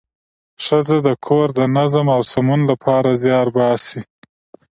ښځه د کور د نظم او سمون لپاره زیار باسي